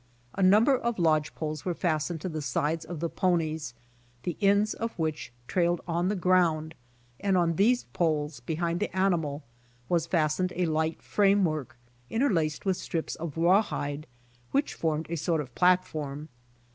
A number of lodge poles were fastened to the sides of the ponies, the ends of which trailed on the ground and on these poles, behind the animal, was fastened a light frame work interlaced with slips of rawhide, which formed a sort of platform.